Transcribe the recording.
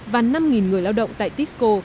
và năm người lao động tại tisco